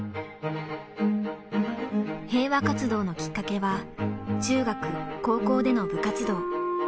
平和活動のきっかけは中学高校での部活動。